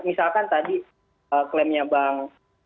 misalkan tadi klaimnya bang